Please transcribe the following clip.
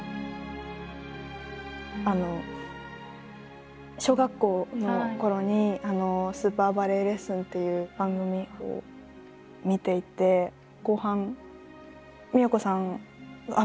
あの小学校のころに「スーパーバレエレッスン」っていう番組を見ていて後半都さんあっ